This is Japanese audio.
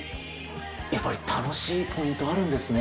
やっぱり楽しいポイントがあるんですね。